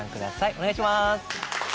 お願いします。